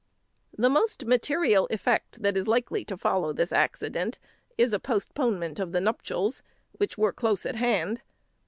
The most material effect that is likely to follow this accident is a postponement of the nuptials, which were close at hand.